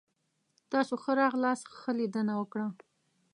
تاسو ښه راغلاست. ښه لیدنه وکړه!